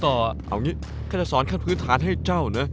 เอาอย่างนี้ก็จะสอนขั้นพื้นฐานให้เจ้านะ